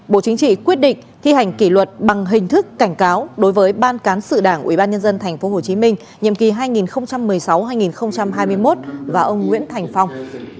bộ chính trị quyết định thi hành kỷ luật bằng hình thức cảnh cáo đối với ban cán sự đảng ubnd tp hcm nhiệm kỳ hai nghìn một mươi sáu hai nghìn hai mươi một và ông nguyễn thành phong